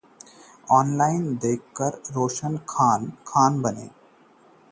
online porn देखकर बहन का यौन शोषण करता था भाई